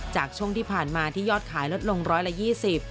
จากช่วงที่ผ่านมาที่ยอดขายลดลง๑๒๐บาท